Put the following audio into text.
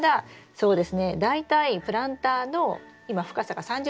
そうです。